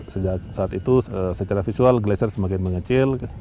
sejak saat itu secara visual glasier semakin mengecil